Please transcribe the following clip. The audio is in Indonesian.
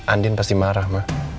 andien pasti marah ma